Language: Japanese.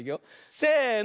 せの！